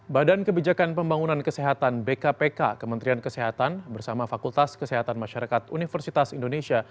badan kebijakan pembangunan kesehatan bkpk kementerian kesehatan bersama fakultas kesehatan masyarakat universitas indonesia